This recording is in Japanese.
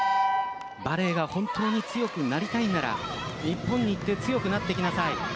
バレーが本当に強くなりたいなら日本に行って強くなってきなさい。